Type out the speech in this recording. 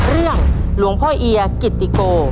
เรื่องหลวงพ่อเอียกิตติโก